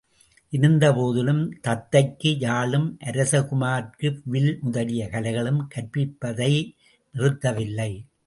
இருந்தபோதிலும் தத்தைக்கு யாழும் அரசகுமாரர்க்கு வில் முதலிய கலைகளும் கற்பிப்பதை நிறுத்தவில்லை.